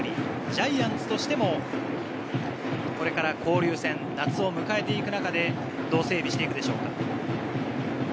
ジャイアンツとしても、これから交流戦、夏を迎えていく中でどう整備していくでしょうか。